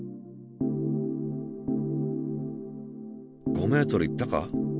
５ｍ行ったか？